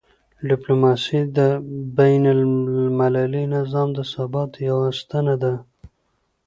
ډیپلوماسي د بینالمللي نظام د ثبات یوه ستنه ده.